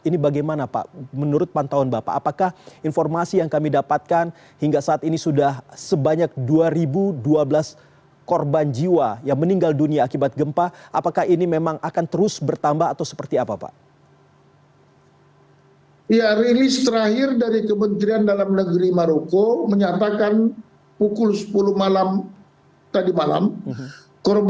ini bagaimana pak menurut pantauan bapak apakah informasi yang kami dapatkan hingga saat ini sudah sebanyak dua ribu dua belas korban jiwa yang meninggal dunia akibat gempa apakah ini memang akan terus bertambah atau seperti apa pak